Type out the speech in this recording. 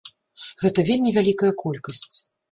Гэта вельмі вялікая колькасць.